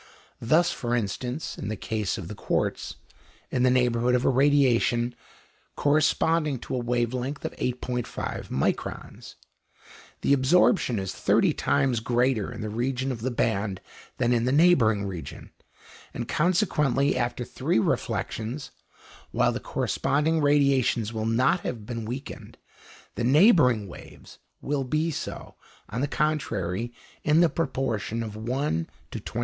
Thus, for instance, in the case of the quartz, in the neighbourhood of a radiation corresponding to a wave length of 8.5 microns, the absorption is thirty times greater in the region of the band than in the neighbouring region, and consequently, after three reflexions, while the corresponding radiations will not have been weakened, the neighbouring waves will be so, on the contrary, in the proportion of 1 to 27,000.